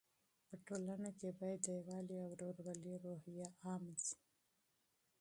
په ټولنه کې باید د یووالي او ورورولۍ روحیه عامه سي.